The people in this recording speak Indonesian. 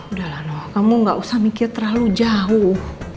udah lah noh kamu gak usah mikir terlalu jauh